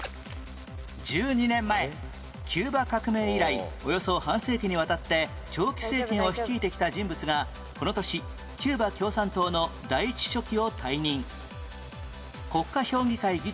１２年前キューバ革命以来およそ半世紀にわたって長期政権を率いてきた人物がこの年キューバ共産党の第一書記を退任